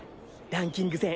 ランキング戦。